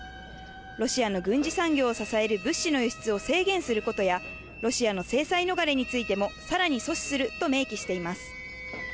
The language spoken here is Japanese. ロシアの軍事産業を支える物資の輸出を制限することや、ロシアの制裁逃れについても、さらに阻止すると明記しています。